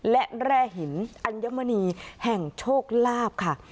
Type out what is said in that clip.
และแร่หินอัญมณีแห่งโชคลาภค่ะ